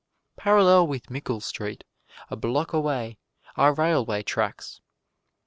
Parallel with Mickle Street, a block away, are railway tracks.